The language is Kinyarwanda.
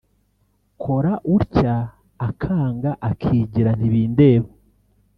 kora utya akanga akigira ntibindeba